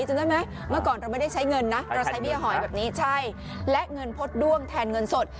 จำได้ไหมเมื่อก่อนเราไม่ได้ใช้เงินนะเราใช้เบี้ยหอยแบบนี้ใช่และเงินพดด้วงแทนเงินสด